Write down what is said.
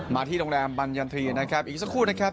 มาที่โรงแรมบรรยันทรีย์นะครับอีกสักครู่นะครับ